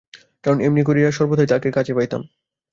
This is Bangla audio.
কারণ, এমনি করিয়া সর্বদাই তাঁহাকে কাছে পাইতাম।